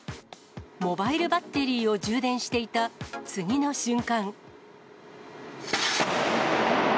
モバイルバッテリーを充電していた次の瞬間。